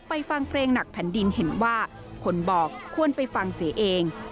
ฟังเพลงหนักแผ่นดินเห็นว่าคนบอกควรไปฟังเสียเอง